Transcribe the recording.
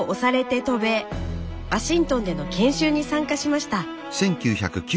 ワシントンでの研修に参加しました。